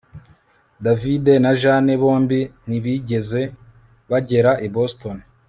David na Jane bombi ntibigeze bagera i Boston